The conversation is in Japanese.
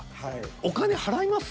お金払います？